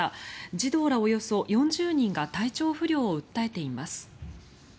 児童らおよそ４０人が体調不良を訴えています。